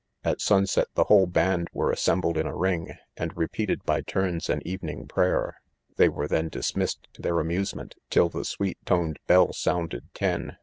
At sunset, the whole band were assembled in a ring, and repeated, by turns, an evening prayer; they were then dismissed to their am tisement, till ithe sweet toned bell sounded ten.